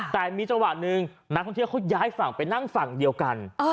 แต่มีจังหวะหนึ่งนักท่องเที่ยวเขาย้ายฝั่งไปนั่งฝั่งเดียวกัน